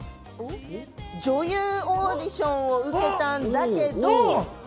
女優オーディションを受けたんだけど、